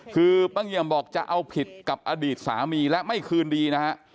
คือป้าเงี่ยมบอกจะเอาผิดกับอดีตสามีและไม่คืนดีนะฮะ